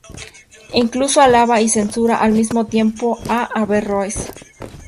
Incluso alaba y censura, al mismo tiempo, a Averroes.